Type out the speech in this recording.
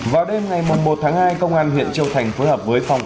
vào đêm ngày một tháng hai công an huyện châu thành phối hợp với phòng